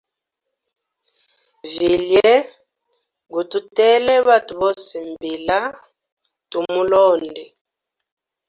Vilye gututele batwe bose mbila tumulonde.